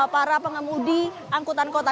para pengemudi angkutan kota